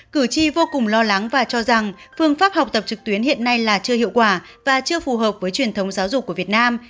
cử tri vô cùng lo lắng và cho rằng phương pháp học tập trực tuyến hiện nay là chưa hiệu quả và chưa phù hợp với truyền thống giáo dục của việt nam